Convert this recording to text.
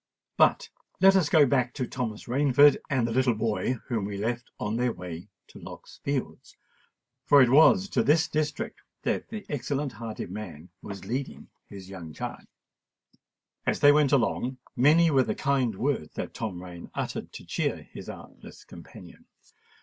But let us go back to Thomas Rainford and the little boy, whom we left on their way to Lock's Fields—for it was to this district that the excellent hearted man was leading his young charge. And, as they went along, many were the kind words that Tom Rain uttered to cheer his artless companion.